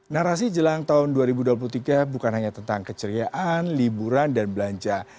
narasi jelang tahun dua ribu dua puluh tiga bukan hanya tentang keceriaan liburan dan belanja